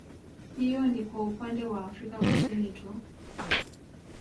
Hiyo ni kwa upande wa afrika Kusini tu